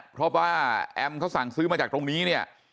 เพราะว่าแอมเขาสั่งซื้อมาจากตรงนี้เนี่ย